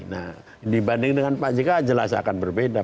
nah dibanding dengan pak jk jelas akan berbeda